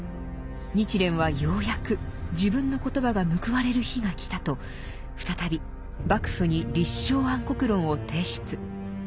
日蓮はようやく自分の言葉が報われる日が来たと再び幕府に「立正安国論」を提出。